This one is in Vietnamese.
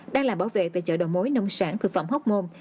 đang làm bảo vệ tại chợ đầu mối nông sản thực phẩm hocmon